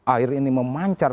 air ini memancar